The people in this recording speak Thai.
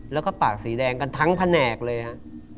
แล้วก็ปากสีแดงกันทั้งแผนกเลยฮะ